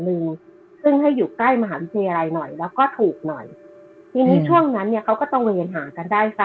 คือเรื่องนี้มันเกิดมาประสบการณ์ของรุ่นนี้มีคนที่เล่าให้พี่ฟังคือชื่อน้องปลานะคะ